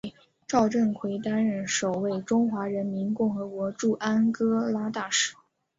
赵振魁担任首位中华人民共和国驻安哥拉大使。